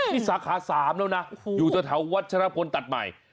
นี่สาขา๓แล้วนะอยู่แถววัชรพลตัดใหม่